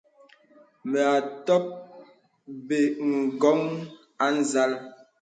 Mə à tɔk bə ǹgɔ̀n à nzàl.